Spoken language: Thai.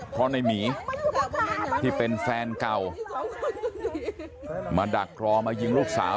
เพราะในหมีที่เป็นแฟนเก่ามาดักรอมายิงลูกสาว